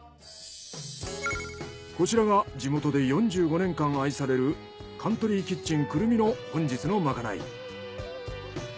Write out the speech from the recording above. こちらが地元で４５年間愛されるカントリーキッチンくるみの本日のまかない。